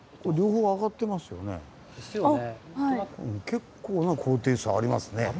結構な高低差ありますね。